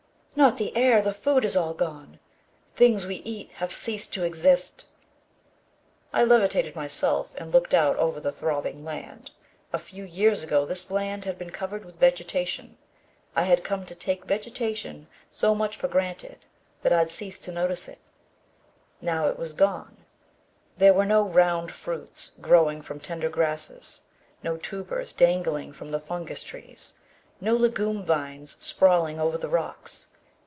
"Not the air. The food is all gone. Things we eat have ceased to exist." I levitated myself and looked out over the throbbing land. A few years ago, this land had been covered with vegetation. I had come to take vegetation so much for granted that I'd ceased to notice it. Now it was gone. There were no round fruits growing from tender grasses, no tubers dangling from the fungus trees, no legume vines sprawling over the rocks.